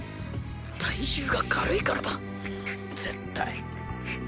体重が軽いからだ絶対くっ。